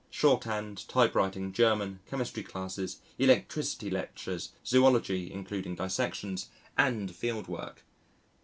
Shorthand, type writing, German, Chemistry classes, Electricity lectures, Zoology (including dissections) and field work.